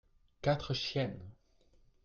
quatre chiennes.